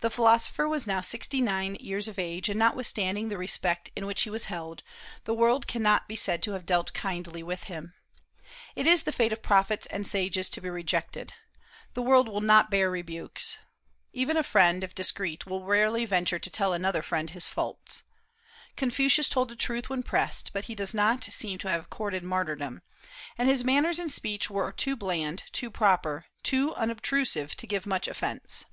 The philosopher was now sixty nine years of age, and notwithstanding the respect in which he was held, the world cannot be said to have dealt kindly with him. It is the fate of prophets and sages to be rejected. The world will not bear rebukes. Even a friend, if discreet, will rarely venture to tell another friend his faults. Confucius told the truth when pressed, but he does not seem to have courted martyrdom; and his manners and speech were too bland, too proper, too unobtrusive to give much offence.